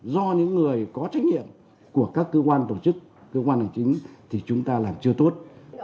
do những người có trách nhiệm của các cơ quan tổ chức cơ quan hành chính thì chúng ta làm chưa tốt